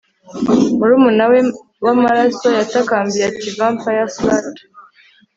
murumuna we w'amaraso. yatakambiye ati vampire-slut